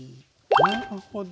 なるほど。